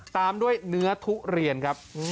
ตามด้วยเนื้อทุเรียนครับ